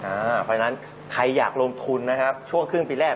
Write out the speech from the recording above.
เพราะฉะนั้นใครอยากลงทุนนะครับช่วงครึ่งปีแรก